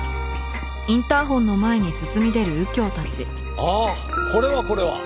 ああこれはこれは。